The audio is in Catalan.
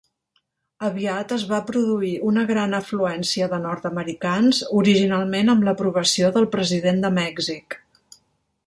Aviat es va produir una gran afluència de nord-americans, originalment amb l'aprovació del president de Mèxic.